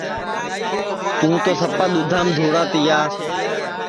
تُوں تو سپا دؔدھام دھؤڑا تِیا